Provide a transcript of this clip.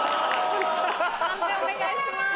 判定お願いします。